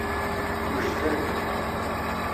Wejden.